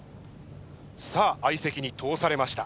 さあ相席に通されました。